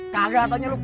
kagak tanya lo